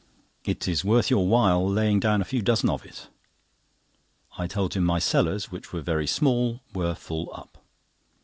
It is worth your while laying down a few dozen of it." I told him my cellars, which were very small, were full up.